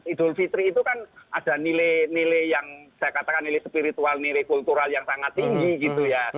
idul fitri itu kan ada nilai nilai yang saya katakan nilai spiritual nilai kultural yang sangat tinggi gitu ya